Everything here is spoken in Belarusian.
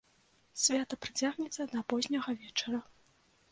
Свята працягнецца да позняга вечара.